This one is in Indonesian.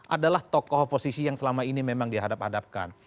adalah tokoh oposisi yang selama ini memang dihadap hadapkan